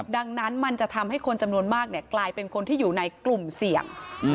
ดังนั้นมันจะทำให้คนจำนวนมากกลายเป็นคนที่อยู่ในกลุ่มเสี่ยง